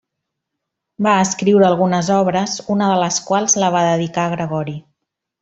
Va escriure algunes obres una de les quals la va dedicar a Gregori.